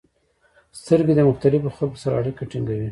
• سترګې د مختلفو خلکو سره اړیکه ټینګوي.